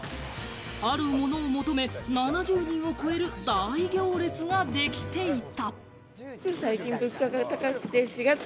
あるものを求め７０人を超える大行列ができていた。